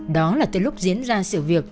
đó là từ lúc diễn ra sự việc